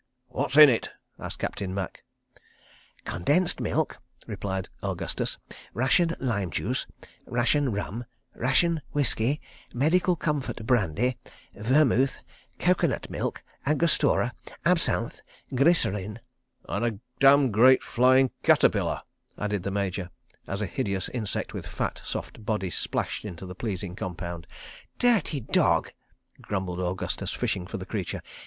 ." "What's in it?" asked Captain Macke. "Condensed milk," replied Augustus, "ration lime juice, ration rum, ration whisky, medical comfort brandy, vermuth, coco nut milk, angostura, absinthe, glycerine. ..." "And a damn great flying caterpillar," added the Major as a hideous insect, with a fat, soft body, splashed into the pleasing compound. "Dirty dog!" grumbled Augustus, fishing for the creature.